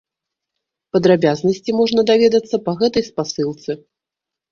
Падрабязнасці можна даведацца па гэтай спасылцы.